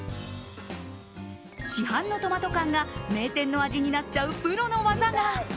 市販のトマト缶が、名店の味になっちゃうプロの技が。